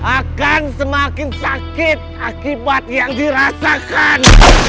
akan semakin sakit akibat yang dirasakan